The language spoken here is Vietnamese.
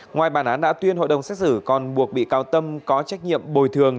ngoài bản án đã tuyên hội đồng xét xử còn buộc bị cáo tâm có trách nhiệm bồi thường